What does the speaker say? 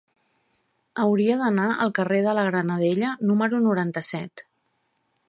Hauria d'anar al carrer de la Granadella número noranta-set.